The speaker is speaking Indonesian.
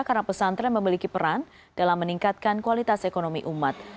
karena pesantren memiliki peran dalam meningkatkan kualitas ekonomi umat